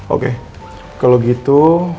oke kalau gitu